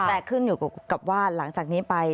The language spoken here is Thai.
แต่ขึ้นอยู่กับว่าหลังจากนี้ไป